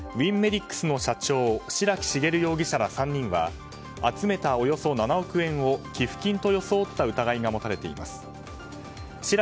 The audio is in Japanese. ウィンメディックスの社長白木容疑者ら３人は集めた、およそ７億円を寄付金と装った疑いが持たれています。